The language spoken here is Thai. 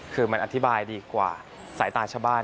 คือมันอธิบายดีกว่าสายตาชาวบ้าน